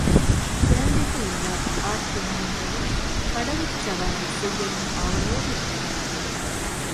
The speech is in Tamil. குழந்தைகளெல்லாம் ஆற்றில் நீந்தவும், படகு சவாரி செய்யவும் ஆவலோடு இருக்கிறார்கள்.